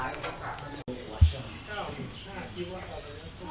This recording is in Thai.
สวัสดีครับทุกคน